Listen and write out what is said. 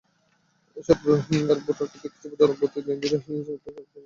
এসব রোহিঙ্গার ভোটার করতে কিছু জনপ্রতিনিধিই চেষ্টা চালাচ্ছেন বলে অভিযোগ রয়েছে।